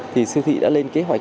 thì siêu thị đã lên kế hoạch